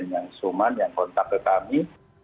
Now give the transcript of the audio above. yang suman yang kontak ke kami